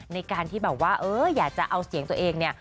ในการที่แบบว่าเอออยากจะเอาเสียงตัวเองเนี่ย